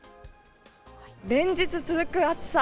連日続く暑さ。